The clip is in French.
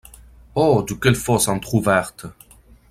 Oh ! de quelle fosse entr’ouverte